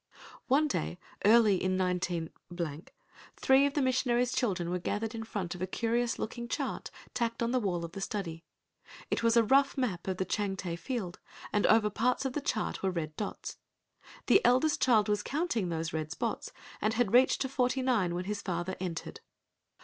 One day early in 19— three of the missionary's children were gathered in front of a curious looking chart tacked on the wall of the study. It was a rough map of the Changte field, and over parts of the chart were red dots. The eldest child was counting those red spots and had reached to forty nine when his father entered.